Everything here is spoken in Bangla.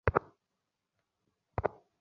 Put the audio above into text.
ব্যান্ড বাজতে দিব না আমি।